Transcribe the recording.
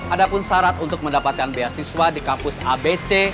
ada pun syarat untuk mendapatkan beasiswa di kampus abc